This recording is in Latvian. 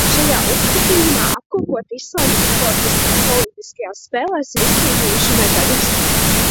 Šajā uzskaitījumā apkopoti Islandes sportisti, kas olimpiskajās spēlēs ir izcīnījuši medaļas.